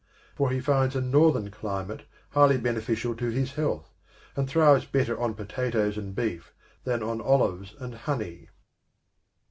For he finds a Northern climate highly beneficial to his health, and thrives better on potatoes and beef than on olives and honey.